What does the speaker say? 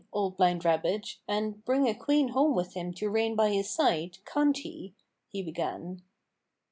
Old Blind Rabbit, and bring a queen home with him to reign by his side, can't he ?" he began.